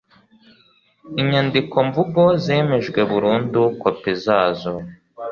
Inyandikomvugo zemejwe burundu kopi zazo